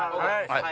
はい。